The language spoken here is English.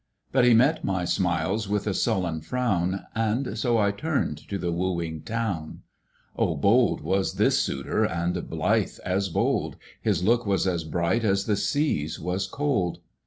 But he met my smiles with a sullen frown, And so I turned to the wooing Town. Oh, bold was this suitor, and blithe as bold ! His look was as bright as the Sea's was cold.